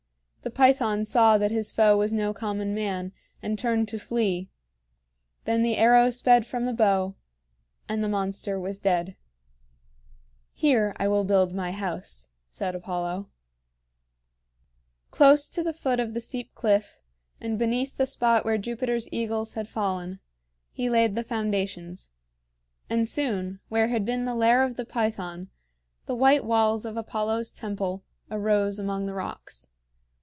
The Python saw that his foe was no common man, and turned to flee. Then the arrow sped from the bow and the monster was dead. "Here I will build my house," said Apollo. Close to the foot of the steep cliff, and beneath the spot where Jupiter's eagles had fallen, he laid the foundations; and soon where had been the lair of the Python, the white walls of Apollo's temple arose among the rocks.